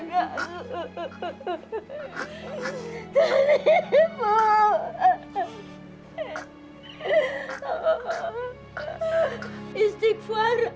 bupati empuk menanggap puan sendiri